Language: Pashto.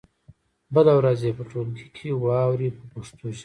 بله ورځ یې په ټولګي کې واورئ په پښتو ژبه.